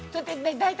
◆大体。